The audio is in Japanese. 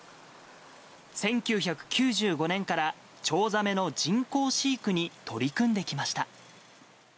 １９９５年からチョウザメの人工飼育に取り組んできました。